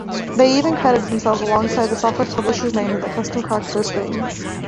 They even credited themselves alongside the software publisher's name in their custom cracktro screens.